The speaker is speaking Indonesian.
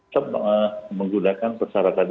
kita menggunakan persyaratan